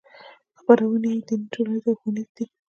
خپرونې یې دیني ټولنیزې او ښوونیزې دي.